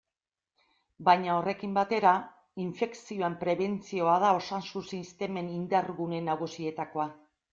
Baina horrekin batera, infekzioen prebentzioa da osasun-sistemen indar-gune nagusietakoa.